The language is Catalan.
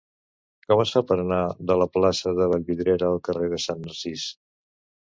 Com es fa per anar de la plaça de Vallvidrera al carrer de Sant Narcís?